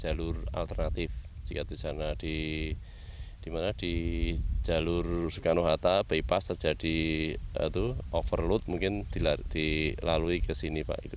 jalur alternatif jika di sana di jalur soekarno hatta bypass terjadi overload mungkin dilalui ke sini pak